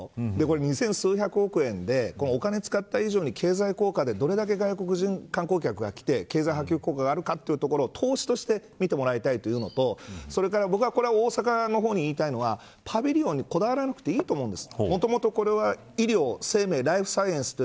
これ二千数百億円でお金を使った以上に経済効果でどれだけ外国人観光客が来て経済効果があるかというのを見てもらいたいのとそれから僕は大阪に言いたいのはパビリオンにこだわらなくていいと思うんです。